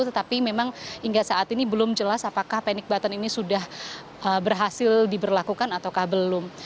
tetapi memang hingga saat ini belum jelas apakah panic button ini sudah berhasil diberlakukan ataukah belum